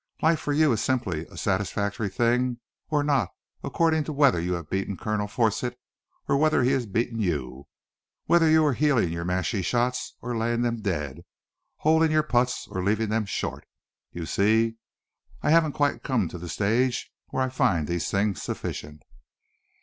Life for you is simply a satisfactory thing or not according to whether you have beaten Colonel Forsitt or whether he has beaten you, whether you are heeling your mashie shots or laying them dead, holing your putts or leaving them short. You see, I haven't quite come to the stage when I find these things sufficient."